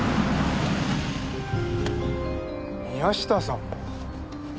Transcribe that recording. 宮下さん。